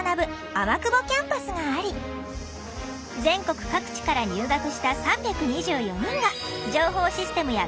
天久保キャンパスがあり全国各地から入学した３２４人が情報システムや建築学などを学んでいる。